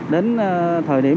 đến thời điểm